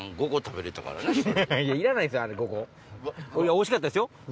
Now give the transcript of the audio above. おいしかったですよ。